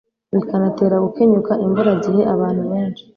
bikanatera gukenyuka imburagihe Abantu benshi